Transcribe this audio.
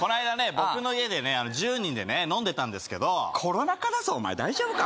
僕の家でね１０人でね飲んでたんですけどコロナ禍だぞお前大丈夫か？